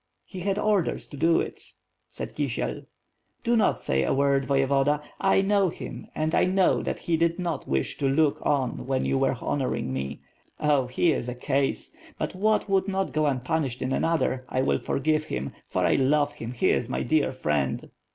"He had orders to do it," said Kisiel. "Do not say a word, Voyevoda; I know him, and know that he did not wish to look on when you were honoring me. Oh, he is a case! But what w^ould not go unpunished in another, I will forgive him, for I love him; he is my dear friend."